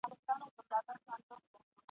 زه به د هغه ملاتړی یم ..